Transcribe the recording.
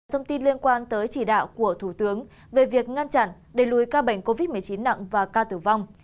thông tin liên quan tới chỉ đạo của thủ tướng về việc ngăn chặn đẩy lùi ca bệnh covid một mươi chín nặng và ca tử vong